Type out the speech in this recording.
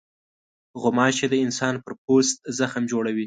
غوماشې د انسان پر پوست زخم جوړوي.